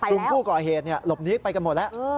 กลุ่มคู่เกาะเหตุหลบนิ๊กไปกันหมดแล้ว